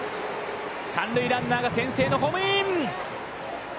三塁ランナーが先制のホームイン！